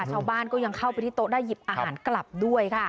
ชาวบ้านก็ยังเข้าไปที่โต๊ะได้หยิบอาหารกลับด้วยค่ะ